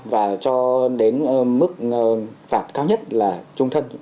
và cho đến mức phạt cao nhất là trung thân